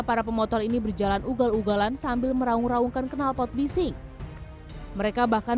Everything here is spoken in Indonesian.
para pemotor ini berjalan ugal ugalan sambil meraung raungkan kenalpot bising mereka bahkan